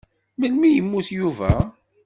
Melmi i yemmut Yuba?